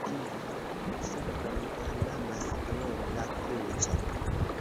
Ĝian supron ornamas duobla kruco.